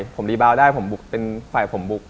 ผมรีบาวได้ผมบุกเป็นฝ่ายผมบุก